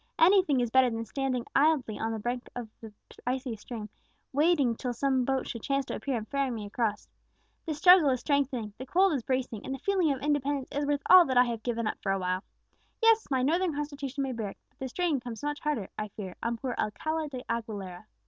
Anything is better than standing idly on the brink of the icy stream, waiting till some boat should chance to appear and ferry me across. The struggle is strengthening, the cold is bracing, and the feeling of independence is worth all that I have given up for awhile. Yes, my northern constitution may bear it; but the strain comes much harder, I fear, on poor Alcala de Aguilera.